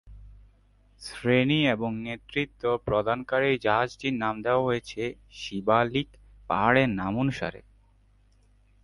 শ্রেণি এবং নেতৃত্ব প্রদানকারী জাহাজটির নাম দেওয়া হয়েছে শিবালিক পাহাড়ের নাম অনুসারে।